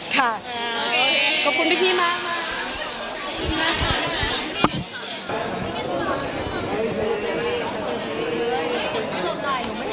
ขอบคุณพี่มาก